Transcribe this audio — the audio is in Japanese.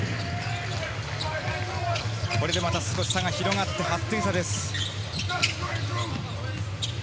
これでまた少し差が広がって８点差。